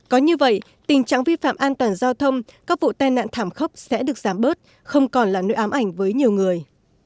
có như vậy tình trạng vi phạm an toàn giao thông các vụ tai nạn thảm khốc sẽ được giảm bớt không còn là nỗi ám ảnh với nhiều người